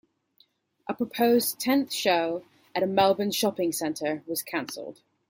A proposed tenth show at a Melbourne shopping centre was cancelled.